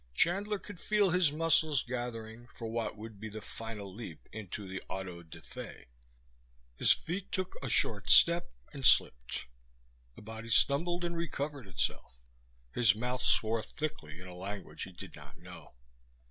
Chandler could feel his muscles gathering for what would be the final leap into the auto da fe. His feet took a short step and slipped. His body stumbled and recovered itself; his mouth swore thickly in a language he did not know.